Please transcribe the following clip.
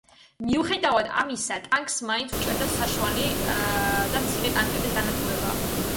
მიუხედევად ამისა ტანკს მაინც უჭირდა საშუალი და მძიმე ტანკების განადგურება.